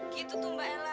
gitu tuh mbak ella